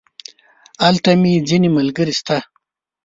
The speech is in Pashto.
هلته مې ځينې ملګري شته.